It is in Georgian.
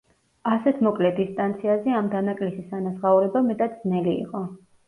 ასეთ მოკლე დისტანციაზე ამ დანაკლისის ანაზღაურება მეტად ძნელი იყო.